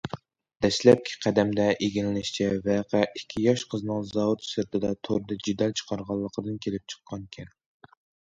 دەسلەپكى قەدەمدە ئىگىلىنىشىچە، ۋەقە ئىككى ياش قىزنىڭ زاۋۇت سىرتىدا توردا جېدەل چىقارغانلىقىدىن كېلىپ چىققانىكەن.